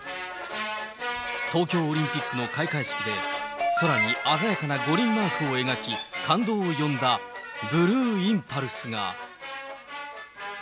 東京オリンピックの開会式で、空に鮮やかな五輪マークを描き、感動を呼んだブルーインパルスが。